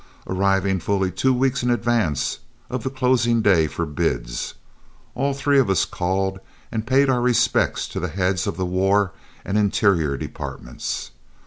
Arriving fully two weeks in advance of the closing day for bids, all three of us called and paid our respects to the heads of the War and Interior departments.